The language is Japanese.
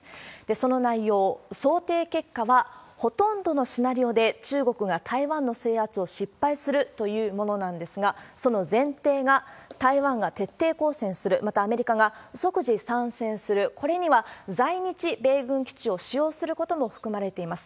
その内容、想定結果は、ほとんどのシナリオで中国が台湾の制圧を失敗するというものなんですが、その前提が、台湾が徹底抗戦する、また、アメリカが即時参戦する、これには在日米軍基地を使用することも含まれています。